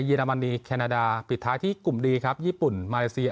อรมนีแคนาดาปิดท้ายที่กลุ่มดีครับญี่ปุ่นมาเลเซีย